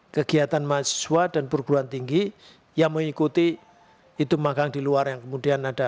kegiatan mahasiswa dan perguruan tinggi yang mengikuti hitung magang di luar yang kemudian ada